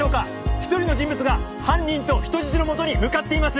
「１人の人物が犯人と人質のもとに向かっています」